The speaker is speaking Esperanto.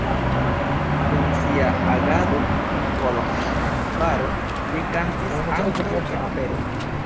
Dum sia agado en Koloĵvaro li kantis ankaŭ en operoj.